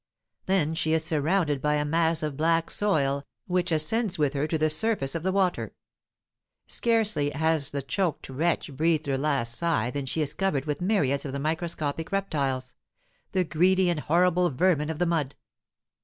Then she is surrounded by a mass of black soil, which ascends with her to the surface of the water. Scarcely has the choked wretch breathed her last sigh than she is covered with myriads of the microscopic reptiles, the greedy and horrible vermin of the mud.